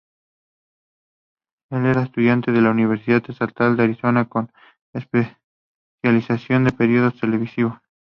Él era estudiante en la Universidad Estatal de Arizona, con especialización en periodismo televisivo.